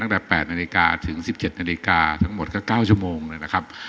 ตั้งแต่๘นาฬิกาถึง๑๗นาฬิกาทั้งหมดก็๙ชั่วโมงเลยนะครับ